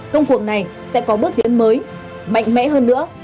công cuộc này sẽ có bước tiến mới mạnh mẽ hơn nữa